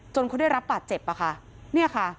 เขาได้รับบาดเจ็บอะค่ะเนี่ยค่ะ